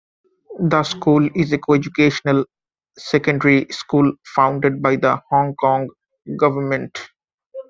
The school is a co-educational secondary school founded by the Hong Kong Government.